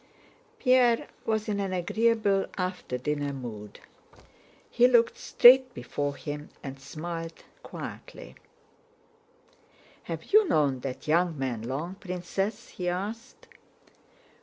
Pierre was in an agreeable after dinner mood. He looked straight before him and smiled quietly. "Have you known that young man long, Princess?" he asked.